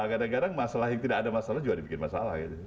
kadang kadang masalah yang tidak ada masalah juga dibikin masalah